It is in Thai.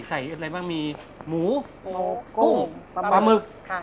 อะไรบ้างมีหมูกุ้งปลาหมึก